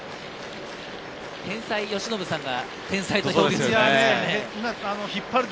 天才由伸さんが天才と。